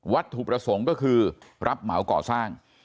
ถูกประสงค์ก็คือรับเหมาก่อสร้าง